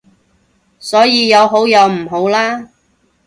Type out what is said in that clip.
所以有好有唔好啦